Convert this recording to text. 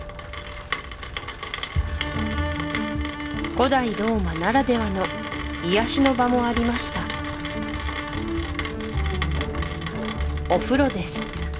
古代ローマならではの癒やしの場もありましたお風呂です